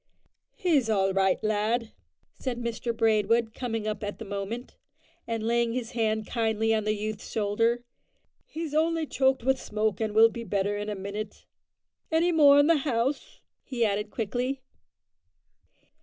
"He's all right, lad," said Mr Braidwood, coming up at that moment, and laying his hand kindly on the youth's shoulder; "he's only choked with smoke, and will be better in a minute. Any more in the house?" he added quickly.